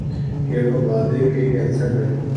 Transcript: کہ وہ معدے کے کینسر میں